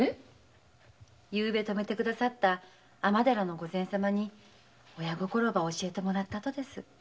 昨夜泊めてくださった尼寺の御前様に親心ば教えてもらったとです。